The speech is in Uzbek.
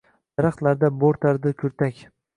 Daraxtlarda boʻrtardi kurtak